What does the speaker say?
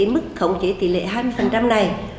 mức khống chế tỷ lệ hai mươi này